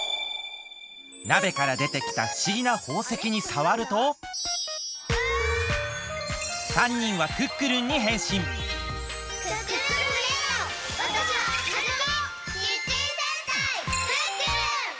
なべからでてきたふしぎなほうせきにさわると３にんはクックルンにへんしんキッチン戦隊クックルン！